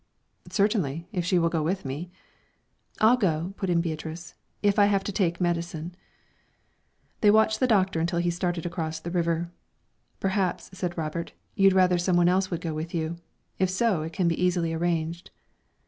"Certainly, if she will go with me." "I'll go," put in Beatrice, "if I have to take medicine." They watched the Doctor until he started across the river. "Perhaps," said Robert, "you'd rather some one else would go with you. If so, it can be easily arranged."